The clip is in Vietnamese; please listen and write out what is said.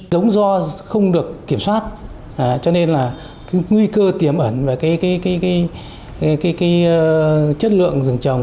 giống do không được kiểm soát cho nên là nguy cơ tiềm ẩn về cái chất lượng rừng trồng